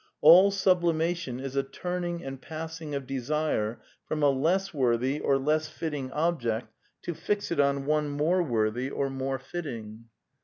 All sublimation is a turning and passing of desire from a less worthy or less fitting object to fix it on one more worthy or more fitting.